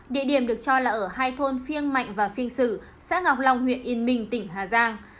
địa điểm được cho là ở hai thôn phiêng mạnh và phiên sử xã ngọc long huyện yên minh tỉnh hà giang